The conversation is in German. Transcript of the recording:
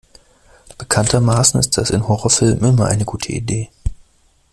Bekanntermaßen ist das in Horrorfilmen immer eine gute Idee.